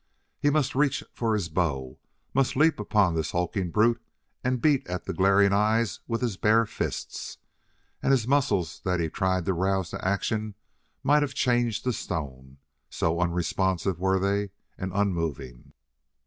He must reach for his bow, must leap upon this hulking brute and beat at the glaring eyes with his bare fists. And his muscles that he tried to rouse to action might have changed to stone, so unresponsive were they, and unmoving.